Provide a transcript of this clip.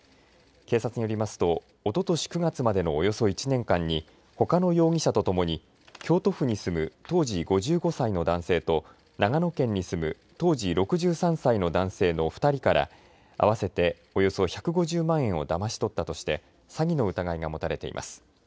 警察によりますとおととし９月までのおよそ１年間にほかの容疑者とともに京都府に住む当時５５歳の男性と長野県に住む当時６３歳の男性の２人から合わせておよそ１５０万円をだまし取ったとして詐欺の疑いが持たれています。